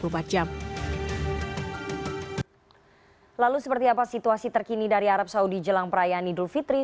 kepada penyelenggaraan beberapa orang diperlukan untuk berbelanja untuk persiapan perayaan idul fitri